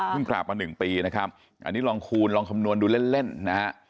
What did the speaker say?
กราบมา๑ปีนะครับอันนี้ลองคูณลองคำนวณดูเล่นนะฮะ